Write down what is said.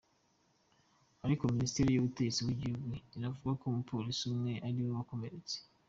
Ariko minisiteri y'ubutegetsi bw'igihugu iravuga ko umupolisi umwe ari we wakomeretse.